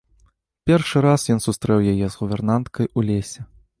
Першы раз ён сустрэў яе з гувернанткай у лесе.